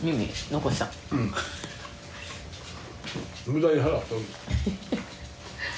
うん。